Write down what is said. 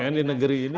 apalagi di negeri ini